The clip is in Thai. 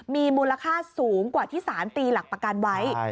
มีมูลค่าสูงกว่าที่สารตีหลักประกันไว้